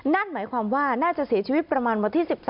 นั่นหมายความว่าน่าจะเสียชีวิตประมาณวันที่๑๒